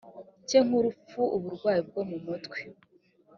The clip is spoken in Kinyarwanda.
cye nk urupfu uburwayi bwo mu mutwe